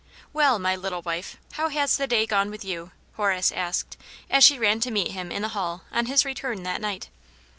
WELL, my little wife, how has the day gone with you ?*' Horace asked, as she ran to meet him in the hall, on his return that night.